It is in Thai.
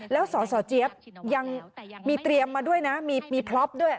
แล้วสสเจี๊ยบยังมีเตรียมมาด้วยนะมีพล็อปด้วย